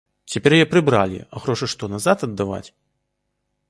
Цяпер яе прыбралі, а грошы што, назад аддаваць?